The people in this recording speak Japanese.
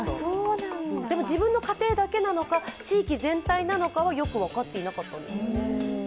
でも、自分の家庭だけなのか、地域全体なのかはよく分かっていなかったんです。